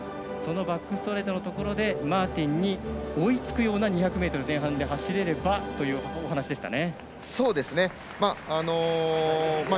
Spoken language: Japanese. バックストレートのところでマーティンに追いつくような２００ｍ前半で走れればというお話でしたね。